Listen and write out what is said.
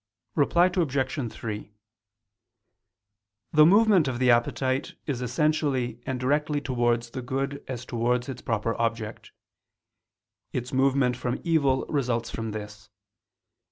Reply Obj. 3: The movement of the appetite is essentially and directly towards the good as towards its proper object; its movement from evil results from this.